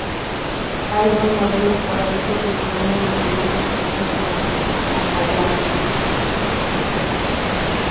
Hay dos modelos para esto que se ven en los diversos textos de Mahāyāna.